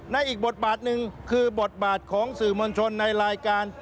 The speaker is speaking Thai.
อีกบทบาทหนึ่งคือบทบาทของสื่อมวลชนในรายการ